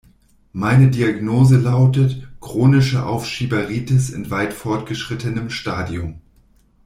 Meine Diagnose lautet chronische Aufschieberitis in weit fortgeschrittenem Stadium.